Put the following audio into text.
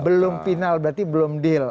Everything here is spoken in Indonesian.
belum final berarti belum deal